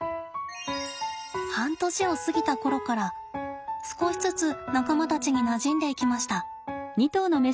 半年を過ぎた頃から少しずつ仲間たちになじんでいきました。